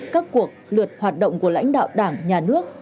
các cuộc luật hoạt động của lãnh đạo đảng nhà nước